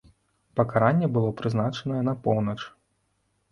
Пакаранне было прызначанае на поўнач.